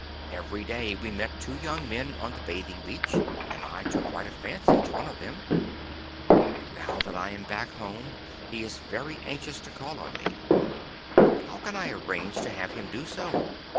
Every day we met two young men on the bathing beach and I took quite a fancy to one of them. Now that I am back home he is very anxious to call on me. How can I arrange to have him do so?